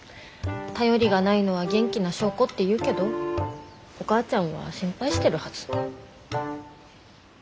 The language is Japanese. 便りがないのは元気な証拠って言うけどお母ちゃんは心配してるはず。